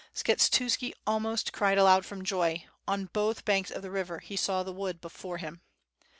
Skshetuski almost cried aloud from joy — on both banks of the river he saw the wood before him.